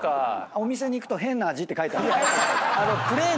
お店に行くと「変な味」って書いてあるの？